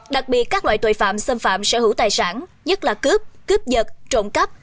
đặc biệt các loại tội phạm xâm phạm sở hữu tài sản nhất là cướp cướp giật trộm cắp